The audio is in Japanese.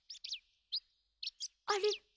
あれ？